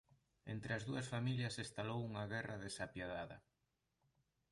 Entre as dúas familias estalou unha guerra desapiadada.